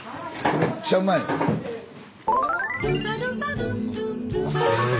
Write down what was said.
めっちゃうまいよ。